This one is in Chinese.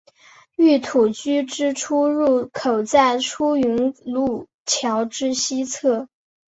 御土居之出入口在出云路桥之西侧。